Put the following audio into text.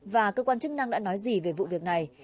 và cơ quan chức năng đã nói gì về vụ việc này